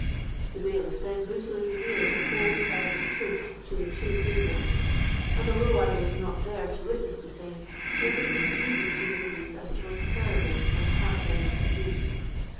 The bailiff then brutally revealed the whole terrible truth to the two females; and though I was not there to witness the same, yet it is easy to believe that it was terrible and heart rending indeed.